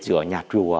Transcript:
giữa nhà chùa